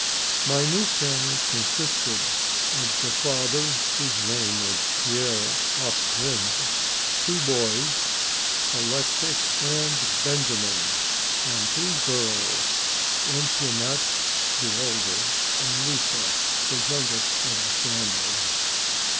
My new family consisted of the father, whose name was Pierre Acquin, two boys, Alexix and Benjamin, and two girls, Etiennette, the elder, and Lise, the youngest of the family.